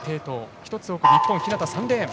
１つ奥日本日向３レーン。